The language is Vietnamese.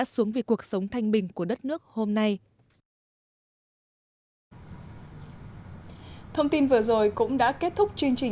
kính chào tạm biệt và hẹn gặp lại